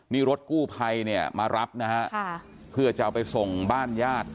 นี่รถกู้ภัยเนี่ยมารับนะฮะเพื่อจะเอาไปส่งบ้านญาติ